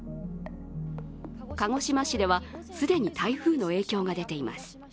鹿児島市では既に台風の影響が出ています。